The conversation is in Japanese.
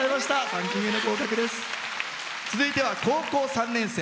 続いては高校３年生。